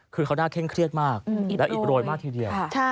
คือเขาน่าเคร่งเครียดมากและอิดโรยมากทีเดียว